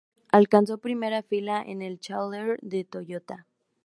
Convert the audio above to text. Alcanzó primera final en el Challenger de Toyota.